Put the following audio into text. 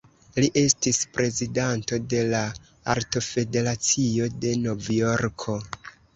Li estis prezidanto de la Artofederacio de Novjorko.